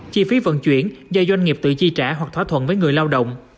chi phí vận chuyển do doanh nghiệp tự chi trả hoặc thỏa thuận với người lao động